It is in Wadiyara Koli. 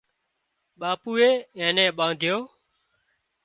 ٻاپوئي اين نين ٻانڌيو